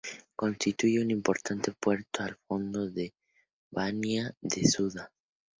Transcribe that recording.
Constituye un importante puerto al fondo de la bahía de Suda.